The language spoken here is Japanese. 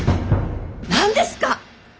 何ですか！